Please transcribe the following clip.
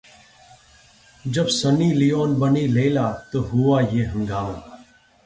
जब Sunny Leone बनीं लैला तो हुआ ये हंगामा